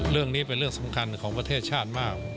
เรื่องนี้เป็นเรื่องสำคัญของประเทศชาติมาก